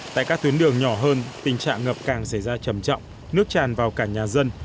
tại các tuyến đường nhỏ hơn tình trạng ngập càng xảy ra trầm trọng nước tràn vào cả nhà dân